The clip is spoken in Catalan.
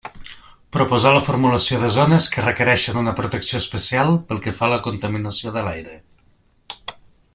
Proposar la formulació de zones que requereixen una protecció especial pel que fa a la contaminació de l'aire.